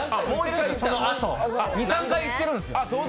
ロケで僕ら、２３回行ってるんですよ。